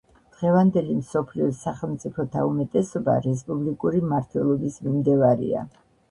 დღევანდელი მსოფლიოს სახელმწიფოთა უმეტესობა რესპუბლიკური მმართველობის მიმდევარია.